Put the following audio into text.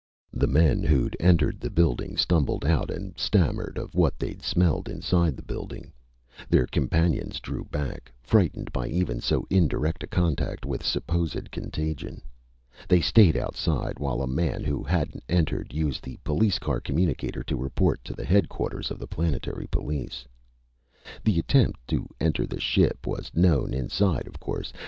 The men who'd entered the building stumbled out and stammered of what they'd smelled inside the building. Their companions drew back, frightened by even so indirect a contact with supposed contagion. They stayed outside, while a man who hadn't entered used the police car communicator to report to the headquarters of the planetary police. The attempt to enter the ship was known inside, of course.